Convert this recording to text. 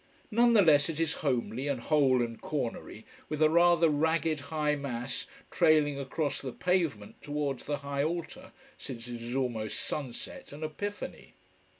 None the less it is homely and hole and cornery, with a rather ragged high mass trailing across the pavement towards the high altar, since it is almost sunset, and Epiphany.